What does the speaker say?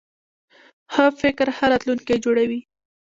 ښه فکر ښه راتلونکی جوړوي.